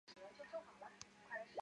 喀喇昆仑公路经过此地。